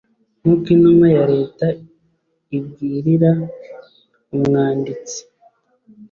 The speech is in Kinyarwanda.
nkuko intumwa ya Leta ibwrira umwanditsi